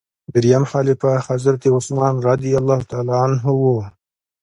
دریم خلیفه حضرت عثمان رض و.